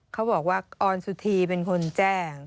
เขาบอกว่าออนสุธีเป็นคนแจ้ง